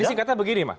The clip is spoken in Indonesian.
jadi singkatnya begini